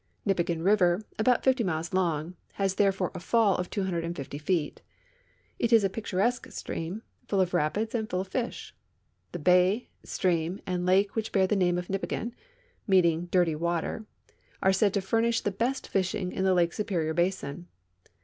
Nipigon river, about 50 miles long, has therefore a fall of 250 feet. It is a picturesque stream, full of rapids and full of fish. The bay, stream, and lake which bear the name of Nipigon (meaning " dirty water ") are said to furnish the best fishing in the Lake Superior basin.